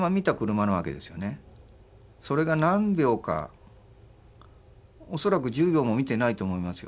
それが何秒か恐らく１０秒も見てないと思いますよ